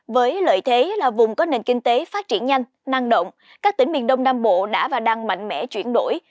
với lợi thế là vùng có nền kinh tế phát triển nhanh năng động các tỉnh miền đông nam bộ đã và đang mạnh mẽ chuyển đổi